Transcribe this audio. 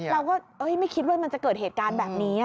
เราก็ไม่คิดว่ามันจะเกิดเหตุการณ์แบบนี้